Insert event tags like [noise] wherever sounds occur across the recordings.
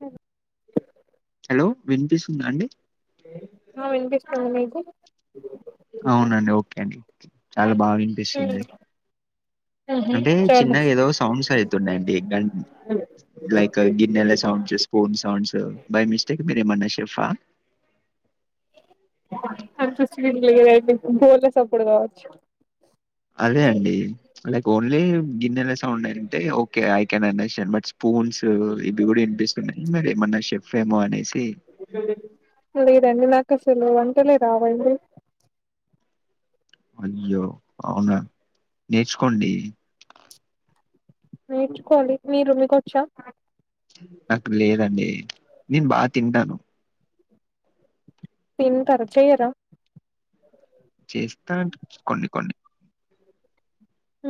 అ hello వినిపిస్తుందా అండి ఆ వినిపిస్తుంది మీకు అవునండి ఓకే అండి చాలా బాగా వినిపిస్తుంది ఉహు అంటే చాలు చిన్నగా ఏదో సౌండ్స్ అయితుండేయండి లైక్ గిన్నెల sounds spoon sounds by mistake మీరేమన షఫ అంత సీన్ లేదండి బోలసప్పుడు కావచ్చ అదే అండి లైక్ ఓన్లీ గిన్నెల సౌండ్ ఉంటే okay I can understand but spoons ఇవి కూడా వినిపిస్తున్నాయి మరి ఏమన్నా షెఫ ఏమో అనేసి కాని నాకు అసలు వంటలే రావండి అయ్యో అవునా నేర్చుకోండి నేర్చుకోవాలి మీరు మీకు వచ్చా నాకు లేదండి నేను బాగా తింటాను తింటారు చెయ్యరా చేస్తా కొన్ని కొన్ని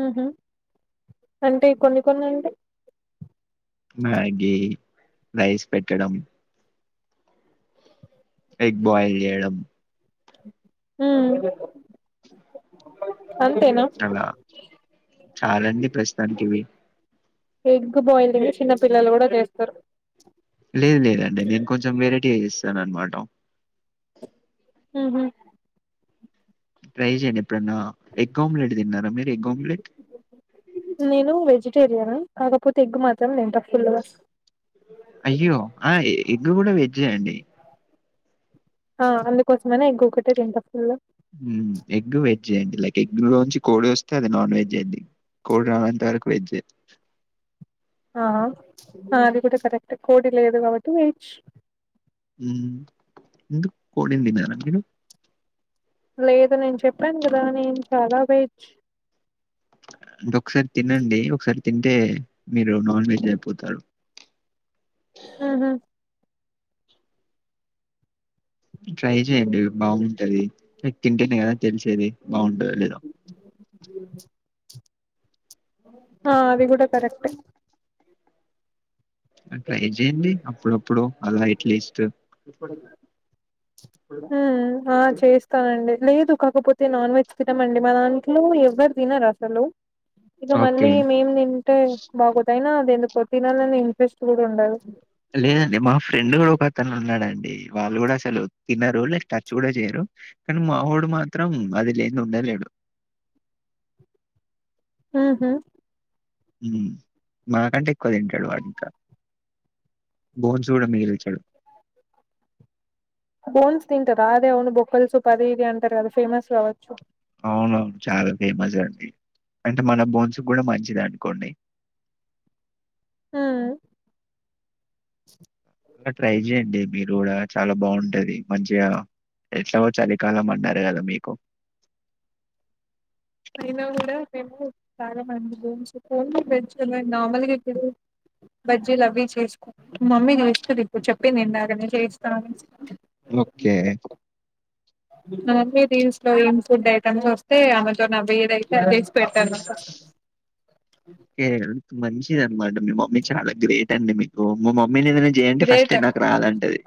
ఉహ అంటే కొన్ని కొన్ని అండి మ్యాగి రైస్ పెట్టడం ఎగ్ బాయిల్ చేయడం ఉమ్ అంతేనా అలా చాలండి ప్రశ్తానికివి ఎగ్ బాయిలింగ్ చిన్న పిల్లలు కూడా చేస్తారు లేదు లేదండి నేను కొంచెం వెరైటీ చేస్తాను అనమాట ఊ హ్మ్ ట్రై చేయండి ఎప్పుడన్నా ఎగ్ ఆమ్లెట్ తిన్నారా మీరు ఎగ్ ఆమ్లెట్ నేను వెజిటేరియన్ కాకపోతే ఎగ్గుమ అయ్యో ఆ ఎగ్ కూడా వెజ అండి ఆ అందుకోసమనే ఎగ్ ఒకటే తింట ఫుల్ ఎగ్ వెజ్ అండి లైక్ ఎగ్ లోంచి కోడి వస్తే అది నాన్ వెజ్ అయింది కోడి రావంత వరకు వెజ్జ్ ఆ అది కూడా కరెక్ట్ కోడి లేదు కాబట్టి వెజ్ ఉ ముందు కోడిని తినరా మీరు లేదు నేను చెప్పాను కదా నేను చాలా వెజ్ అంటే ఒకసారి తినండి ఒకసారి తింటే మీరు నాన్ వెజ్ అయిపోతారు ఆహ ట్రై చెయండి బాగుంటుది తింటేనే కదా తెలిసేది బాగుంటు లేదా ఆ అది కూడా కరెక్ట్ ఆ ట్రై చేయండి అప్పుడప్పుడు అలా ఎట్లీస్ట్ హ ఆ చేస్తాను లేదు కాకపోతే నాన్ వెజ్ తినమండి మా దాంట్లో ఎవ్వరు తినరు అసలు ఇక మళ్ళీ ఓకే. మేం తింటే బాగుతా అయినా దేనికో తినల ఇంట్రెస్ట్ కూడా ఉండదు లేదండి మా ఫ్రెండ్ కూడా ఒక అతను ఉన్నాడండి వాళ్ళు కూడా అసలు తిన్నారు టచ్ కూడా చేయరు కానీ మాహోడు మాత్రం అది లేని ఉండలేడు ఊ హ్మ్ మాకంటే ఎక్కువ తింటాడు వాడు ఇంకా బోన్స్ కూడ మిగిలిచ్చడు బోన్స్ తింటారు అదే అవును బొక్కల్సు పది ఇది అంటారు కదా ఫేమస్ కావచ్చు అవునవును చాలా ఫేమస్ అండి అంటే మన బోన్స్ కూడా మంచిది అనుకోండి హ్మ్ అలా ట్రై చేయడి మీరు కూడా చాలా బాగుంటది మంచిగా ఎట్ల చలికాలం అన్నారు కదా మీకు అయినా కూడా మేము బాగమంది రూమ్స్ బెడ్ మామల్గా బజ్జీ ల అవవి చేసుకో మమ్మీ న చే స్తుంది ఇప్పుడు చెప్పిందిన్నగానే చేయిస్తాను ఒకే అే దీస్ లో ఇన్ ఫుడ్ ఐటమ్స్ వస్తే అమెజాన్ అవబేద చేసి పెడతాను ఓకే. మంచిదనమాట. మీ మమ్మీ చాలా గ్రేట్ అండి మీకు మా మమ్మీని ఏదైనా చేయయంంటే ఫస్ట్ గ్రేట్ నాకు రాలంటది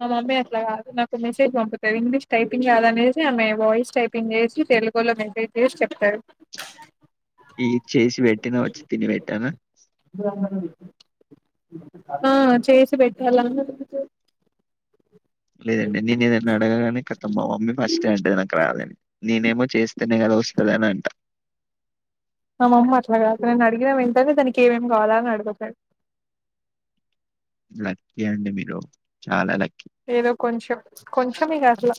మా మమ్మీ అట్లా కాదు నాకు మెసేజ్ పంపుతుంది ఇంగ్లీష్ టైపింగ్ రా దనేసి ఆమె వాయిస్ టైపింగ్ చేసి తెలుగులో మెసేజ్ చేసి చెప్తారు ఈ చేసి పెట్టినా వచ్చి తిని పెట్టానా ఆ చేసి పెట్టాలా లేదండి నేను ఏదైనా అడగానే ఖతం మా మమ్మీ ఫస్ట్ అంటే నాకు రాదని నేనేమో చేస్తేనే కదా వస్తుందని అంట మా మమ్మ అట్లాగద నేను అడిగిన ఏంటనే డాన్నికి ఏమేమి కావాలాని అంటుంది లక్కీ అండి మీరు చాలా లక్ ఏదో కొంచంచం కొంచంగా అట్లా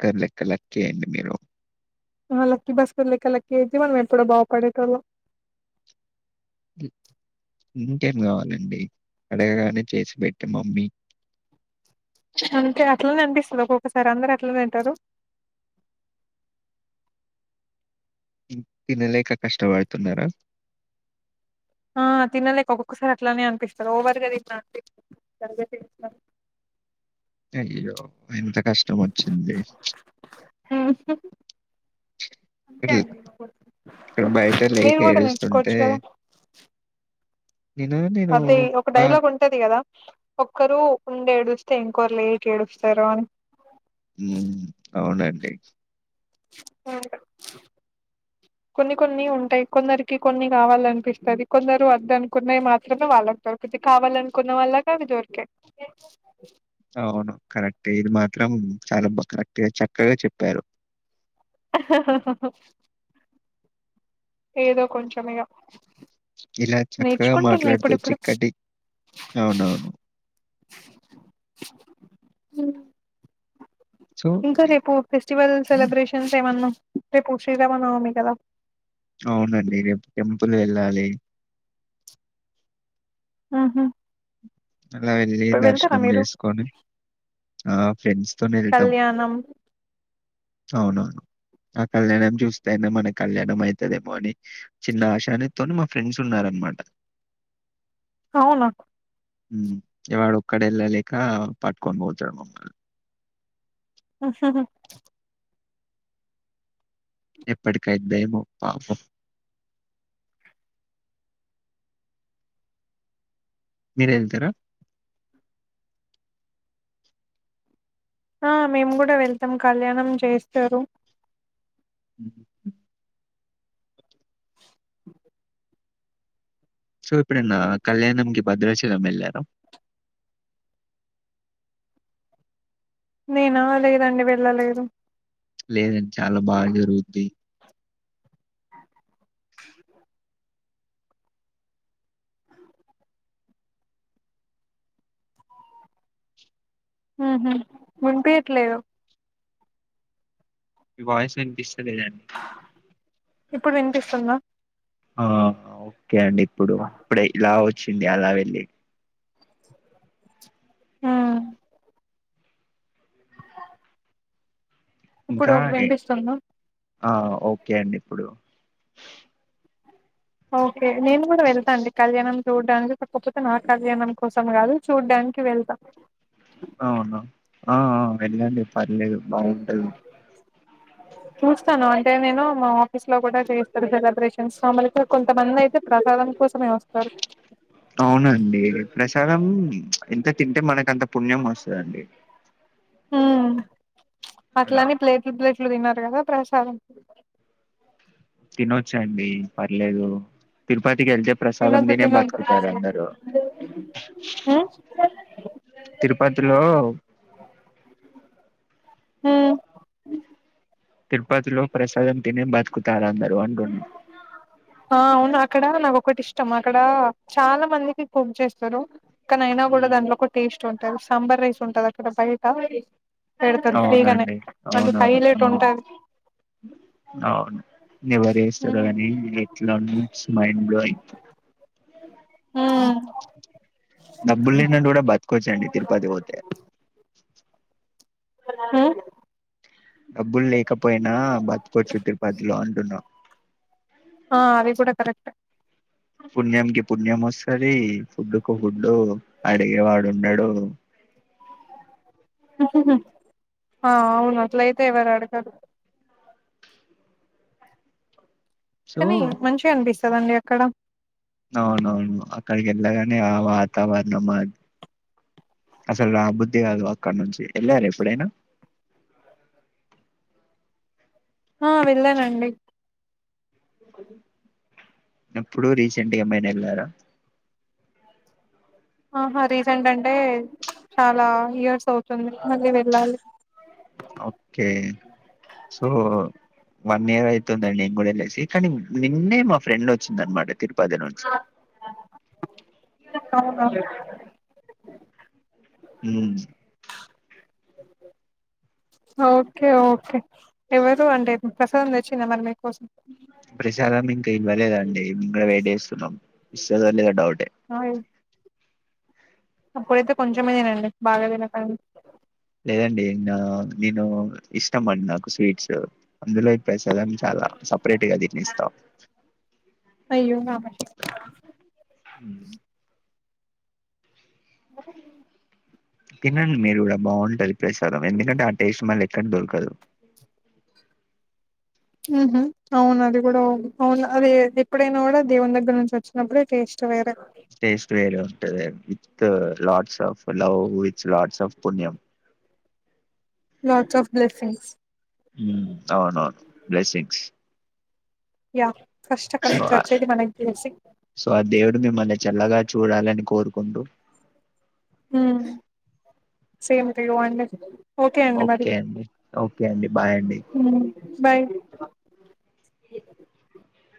క్కలెక్కలక్క అండి మీరు లక్కకి బస్కులక క్కకి అయితే మన మేము క ఎప్పుడో బాగుపడేటలామ్ అ ఇంకేం కావాలండి అడగగానే చేసి పెెట్టే మమ్మీ అంటే అట్లనే అనిపిస్తుంది ఒక్కొక్కసారి అందరు అట్లనే అంటారు తినలేక కష్టపడుతున్నారా ఆ తిినలేక ఒక్కొక్కసారి అట్లానే అనిపిస్తారు ఓవర్గా తిన్న అనిపి [inaudible] అయ్యో ఎంత కష్టం వచ్చింది ఇ అంతే అండి. ఇక్కడ బయట లేక మీరు కూడా ఏడుస్తుంటే నేర్చుకోవచ్చు [inaudible] నేను నేను అదే ఒక బా డైలాగ్ ఉంటది కదా ఒక్కరు ఉండడి ఏడుస్తే ఇంకొరు లేకా ఏడుస్తారు అని ఉమ్ అవునండి ఒకే కొన్ని కొన్ని ఉంటాయి కొందరికి కొన్ని కావాలనిపిస్తుది కొందరు వద్ద అనుకున్నాయి మాత్రమే వాళ్ళకు దరికుది కావాలనుకున్న వాల్ళ కా దొరికే అవును కరెక్ట్ ఇది మాత్రం చాలాా కరెక్ట్గా చక్కగా చెప్పారు ఆహ్ హ్ ఆహ్ హ్ ఏదో కొంచం ఇగా ఇలా చక్కగా మాట్లాడుతూ ఇప్పుడిప్పుడు చిక్కటి అవునవును సో, ఇంకా రేపు ఆఫీసు ఫెస్టివల్ సెలిబ్రేషన్స్ ఏమన్నా ఏమన్నా, రేపు శ్రీరామ నవమి కదా అవునండి రేపు టెంపుల్ కి వెళ్ళాలి ఉహూ అలా వెళ్ళి దర్శనం చేసుకొని ఆ ఫ్రెండ్స్ తొనీ వెళ్తాం, కళ్యాణం అవునవును [inaudible] ఆ కళ్యాణం చూస్తయినే మన కళ్యాణం అవుతుదేమో అని చిన్న ఆశానితో మా ఫ్రెండ్స్ ఉన్నారు అన్న మాట అవునా ఇగ వాడు ఒక్కడ వెళ్ళలేక పట్టుకొని పోతాడు మమ్మల్ని ఉహూ ఎప్పుటికీ ఐ ద్దేమో పాపం మీరు వెళ్తారా ఆ మేము కూడా వెళ్తాం కళ్యాణం చేస్తారు [inaudible] [inaudible] సో ఇప్పుడన్న కళ్యాణంకి భద్రాచలం వెళ్ళారా నేనా లేదండి వెళ్ళలేదు. లేదండి చాలా బాగా జరుగుద్ది హుహు వినిపియ్యట్లేదు మీ వాయిస్ వినిపిస్తలేదండి ఇప్పుడు వినిపిస్తుందా ఆ ఓకే అండి ఇప్పుడు ఇప్పుడే ఇలా వ వచ్చింది అలా వెళ్లి హు ఇంకా ఇప్పుడు కే వినిపిస్తుందా ఆ ఓకే అండి ఇప్పుడు ఓకే నేను కూడా వెళ్తా అండి కళ్యాణంకి చూడ్డానికి కాకపోతే నా కళ్యాణం కోసం కాదు చూడ్డానికి వెళ్తా అవున ఆ వెళ్ళండి పర్లేదు బాగుంటది చూస్తాను అంటే నేను మా ఆఫీసులో కూడా చేస్తారు కదా సెలబ్రేషన్స్ మల్ల కొంతమంది అయితే ప్రసాదం కోసమే వస్తారు అవునండి ప్రసాదం ఎంత తింటే మనకు అంత పుణ్యం వస్త దండి హు అట్లని ప్లేట్లు ప్లేట్ తినరు కదా ప్రసాదం తినొచ్చాండి పర్లేదు తిరుపతి కి కెళ్తే ప్రసాదం తినొద్దు తినే బతుకుతారు తినొద్దు అందరు హ్మ్ తిరుపతిలో హు తిరుపతిలో ప్రసాదం తినే బతుకుతారు అందరూ అంటున్న ఆ అవును అక్కడ నాకొటి ఇష్టం అక్కడ చాలా మందికి కుక్ చేేస్తరు కానీ ఐనా కూడా ఉమ్. దానిలో ఒక టేస్ట్ ఉంటుంది సాంబార్ రైస్ ఉంటది అక్కడ బయట పెడతారు ఫ్రీ గానే అవునండి అవునవును హైలెట్ అది అవును ఉంటది అవును నీవెరీస్ హ్మ్ సరేగాని ఇట్లా మోన్స్ మైండ్ బ్లోయింగ్ హ్మ్ డబ్బులు లేనోళ్లు కూడా బతకొచండి అండి తిరుపతి పోతే ఊ డబ్బులు లేకపోయినా బతకొచ్చు తిరుపతిలో అంటున్నా ఆ అది కూడా కరెక్ట్ పుణ్యం కి పుణ్యం వస్తది ఫుడ్డుకు ఫుడ్ అడిగేవాడు ఉండడు హుహు ఆ అవును అట్లయితే ఎవరు అడగరు సో కానీ మంచిగా అనిపిస్తదండి అక్కడ అవునవును అక్కడికి వెళ్ళగానే ఆ వాతావరణం అది అసలు రా బుద్ధి కాదు అక్కడ నుంచి వెళ్ళారా ఎప్పుడైనా ఆ వెళ్ళానండి ఎప్పుడు రీసెంట్గా ఎమైనా వెళ్ళారా ఆహా రీసెంట్ర్ అంటే చాలా ఇయర్స్ అవుతుంది మళ్ళీ వెళ్ళాలి ఓకే సో వన్ ఇయర్ ఐతుందండి నేను కూడా వెలేసి కానీ నిన్నే మా ఫ్రెండ్ వచ్చింది అనమాట తిరుపతి పతి నుంచి [unintelligible] ఉం ఓకే ఓకే ఎవరు అంటే ప్రస్ ప్రసాదం తిచిర మరి మీ కోసం ప్రసాదం ఇంకా ఇవలేదా అండి ఇంకా వెయిట్ చేస్తున్నాం ఇస్తదా లేదా డౌట్ ఆయిల్ అప్పుడైతే కొంచమే తనండి బాగా తినకండి లేదండి నేను ఇష్టం అండి నాకు స్వీట్స్ అందులో ఇ ప్రసాదం చాలా సపరేట్గా తినేస్తా అయ్యో తినండి మీరు కూడా బాగుంటది ప్రసాదం ఎందుకంటే ఆ టేస్ట్ మళ్ళి కానీ దొరకదు ఉహ అవును అది కూడావు అవును అది ఎప్పుడైనా కూడా దేవుని దగ్గర నుంచి వచ్చినప్పుడే టేస్ట్ వెరే టేస్ట్ వేరు with lots of love with lords of పుణ్యం లోడ్స్ ఆఫ్ బ్లెసింగ్స్ అవున అవును బ్లెసింగ్స్ యా సో సో ఆ దేవుడు మిమ్మల్ని చల్లగా చూడాలని కోరుకుంటూ ఉమ్ సేమ్ టు యూ అండి ఓకే అండి మరి అండి ఓకే అండి బాయ్ అండి బాయ్